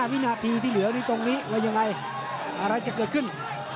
วินาทีที่เหลือนี่ตรงนี้ว่ายังไงอะไรจะเกิดขึ้น